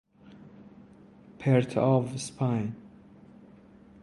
پرت آو اسپاین